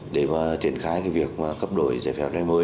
để thiện khai việc cấp đổi giấy phép lái xe mới